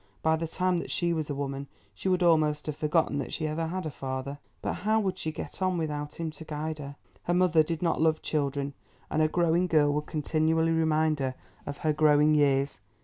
By the time that she was a woman she would almost have forgotten that she ever had a father. But how would she get on without him to guide her? Her mother did not love children, and a growing girl would continually remind her of her growing years.